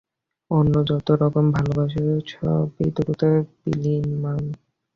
অন্য যত রকম ভালবাসা, সবই দ্রুত বিলীয়মান।